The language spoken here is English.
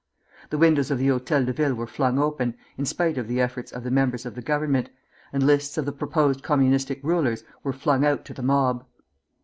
The windows of the Hôtel de Ville were flung open, in spite of the efforts of the members of the Government, and lists of the proposed Communistic rulers were flung out to the mob.